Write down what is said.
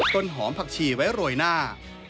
ต้นหอมผักชีไว้โรยหน้า